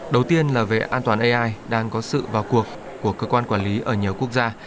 đầu tiên là về an toàn ai đang có sự vào cuộc của cơ quan quản lý ở nhiều quốc gia